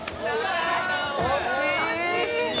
惜しいな！